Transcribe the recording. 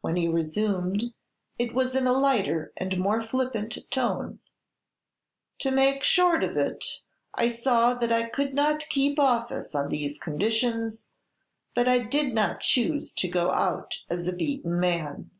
When he resumed, it was in a lighter and more flippant tone: "To make short of it, I saw that I could not keep office on these conditions, but I did not choose to go out as a beaten man.